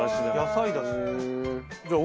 野菜だし。